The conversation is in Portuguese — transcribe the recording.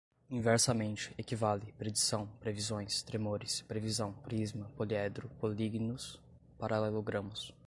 inversamente, equivale, predição, previsões, tremores, previsão, prisma, poliedro, políginos, paralelogramos